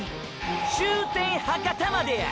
終点博多までや！！